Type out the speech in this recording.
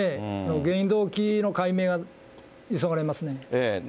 原因、動機の解明が急がれますね。